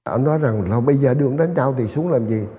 anh nói rằng là bây giờ đường đánh trao thì xuống làm gì